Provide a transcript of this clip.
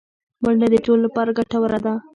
منډه د ټولو لپاره ګټوره ده